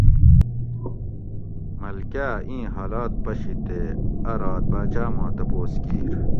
ملکہ ایں حالت پشی تے ا رات باچہ ما تپوس کیر